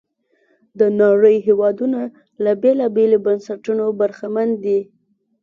د نړۍ هېوادونه له بېلابېلو بنسټونو برخمن دي.